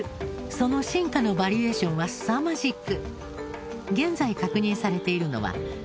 その進化のバリエーションは凄まじく。